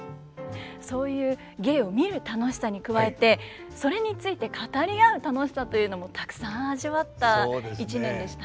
そういう芸を見る楽しさに加えてそれについて語り合う楽しさというのもたくさん味わった一年でしたね。